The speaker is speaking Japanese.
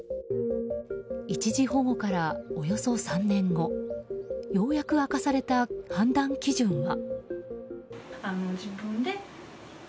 一時保護からおよそ３年後ようやく明かされた判断基準は。